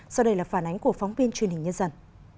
sau đây là phản ánh của phóng viên truyền hình nhân dân